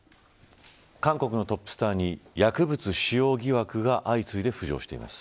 韓国のトップスターに薬物使用疑惑が相次いで浮上しています。